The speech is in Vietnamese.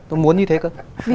tôi muốn như thế cơ